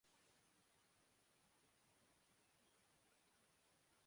Windsor ডেট্রয়েটের দক্ষিণে অবস্থিত।